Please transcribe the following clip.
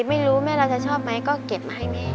ไม่รู้แม่เราจะชอบไหมก็เก็บมาให้แม่